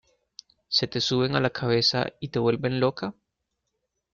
se te suben a la cabeza y te vuelven loca?